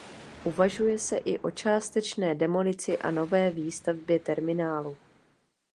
Uvažuje se i o částečné demolici a nové výstavbě terminálu.